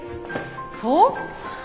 そう？